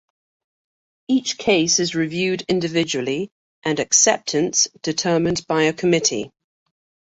Each case is reviewed individually and acceptance determined by a committee.